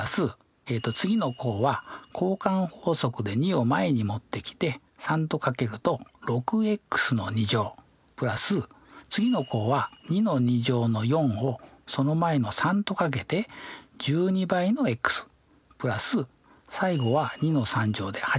次の項は交換法則で２を前に持ってきて３と掛けると６＋次の項は２の２乗の４をその前の３と掛けて１２＋最後は２の３乗で８。